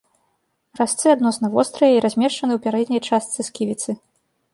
Разцы адносна вострыя і размешчаны ў пярэдняй частцы сківіцы.